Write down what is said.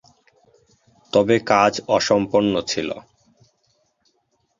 তবে কাজ অসম্পূর্ণ ছিল।